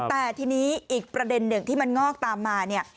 แต่ทีนี้อีกประเด็นหนึ่งที่มันงอกตามมาเนี่ย